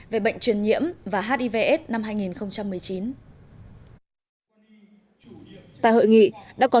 về bệnh truyền nhiễm và hivs năm hai nghìn một mươi chín